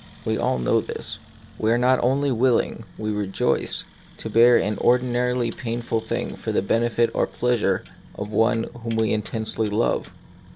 We all know this. We not only are willing, we rejoice, to bear an ordin arily painful thing for the benefit or pleasure of one whom we intensely love.